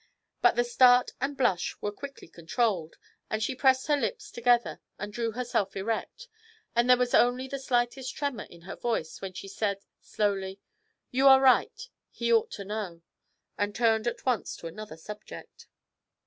But the start and blush were quickly controlled, and she pressed her lips together and drew herself erect, and there was only the slightest tremor in her voice when she said, slowly: 'You are right; he ought to know,' and turned at once to another subject.